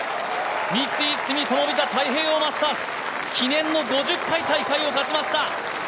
三井住友ＶＩＳＡ太平洋マスターズ記念の５０回大会を勝ちました。